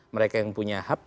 mereka yang punya hp